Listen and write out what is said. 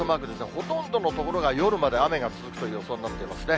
ほとんどの所が夜まで雨が続くという予想になっていますね。